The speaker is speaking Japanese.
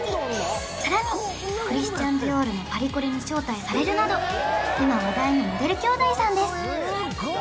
さらにクリスチャン・ディオールのパリコレに招待されるなど今話題のモデル姉弟さんです・すごっ！